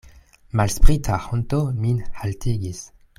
Malsprita honto min haltigis.